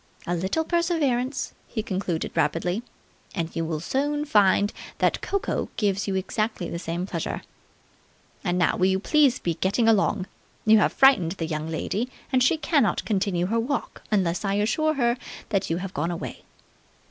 "A little perseverance," he concluded rapidly, "and you will soon find that cocoa gives you exactly the same pleasure. And now will you please be getting along. You have frightened the young lady, and she cannot continue her walk unless I assure her that you have gone away."